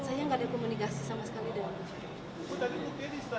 saya tidak ada komunikasi sama sekali dengan bu fairoh